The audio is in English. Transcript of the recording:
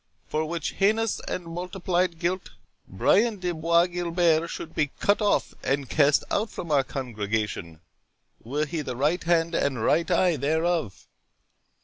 For which heinous and multiplied guilt, Brian de Bois Guilbert should be cut off and cast out from our congregation, were he the right hand and right eye thereof."